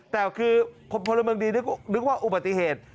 แต่คือพลเมืองดีนึกว่าอุบัติเหตุ